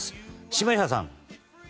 下平さん。